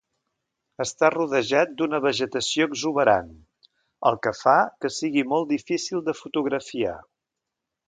Està rodejat d'una vegetació exuberant, el que fa que sigui molt difícil de fotografiar.